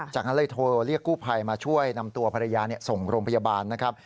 จากนั้นเลยโทรเรียกกู้ภัยมาช่วยนำตัวภรรยาส่งโรงพยาบาลนะครับ